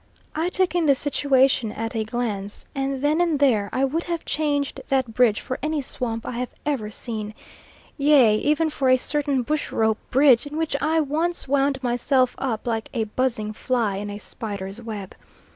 I took in the situation at a glance, and then and there I would have changed that bridge for any swamp I have ever seen, yea, even for a certain bush rope bridge in which I once wound myself up like a buzzing fly in a spider's web.